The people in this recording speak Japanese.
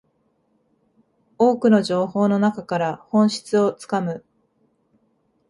多くの情報の中から本質をつかむ